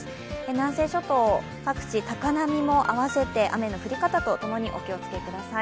南西諸島各地、高波も合わせて雨の降り方とともにお気をつけください。